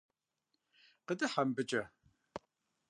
Къыдыхьэ мыбыкӀэ.